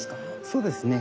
そうですね。